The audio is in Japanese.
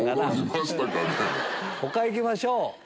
他行きましょう！